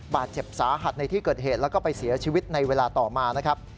บาดเจ็บสาหัสในที่เกิดเหตุแล้วก็ไปเสียชีวิตในเวลาต่อมานะครับ